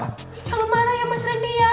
jangan marah ya mas randi ya